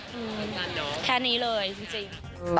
แค่นี้เลยจริง